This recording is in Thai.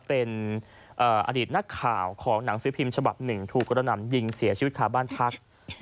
เป็นอดีตนักข่าวของหนังสือพิมพ์ฉบับหนึ่งถูกกระหน่ำยิงเสียชีวิตคาบ้านพัก